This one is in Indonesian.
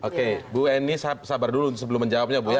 oke bu eni sabar dulu sebelum menjawabnya bu ya